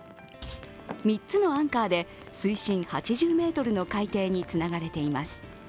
３つのアンカーで水深８０ｍの海底につながれています。